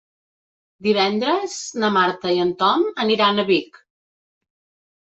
Divendres na Marta i en Tom aniran a Vic.